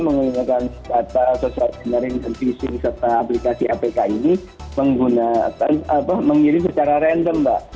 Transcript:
mengirimkan data social engineering sentencing serta aplikasi apk ini menggunakan mengirim secara random mbak